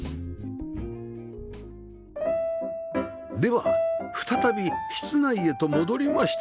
では再び室内へと戻りまして